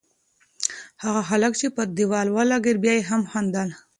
هغه هلک چې پر دېوال ولگېد، بیا یې هم خندل.